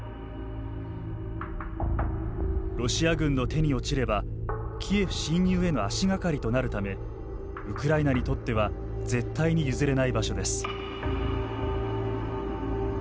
ロシア軍の手に落ちればキエフ侵入への足がかりとなるためウクライナにとっては絶対に譲れない場所です。